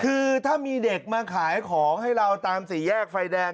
คือถ้ามีเด็กมาขายของให้เราตามสี่แยกไฟแดง